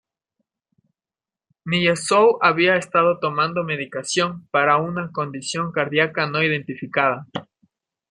Nyýazow había estado tomando medicación para una condición cardíaca no identificada.